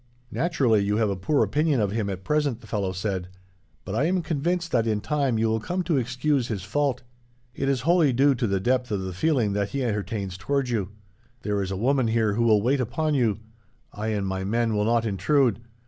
"'Naturally, you have a poor opinion of him at present,' the fellow said; 'but I am convinced that, in time, you will come to excuse his fault. It is wholly due to the depth of the feeling that he entertains towards you. There is a woman here who will wait upon you. I and my men will not intrude.